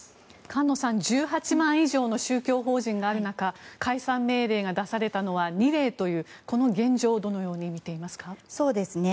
菅野さん、１８万以上の宗教法人がある中解散命令が出されたのは２例というこの現状をどのように見ていますか？